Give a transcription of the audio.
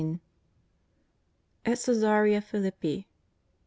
AT CiESAEEA PHILIPPI.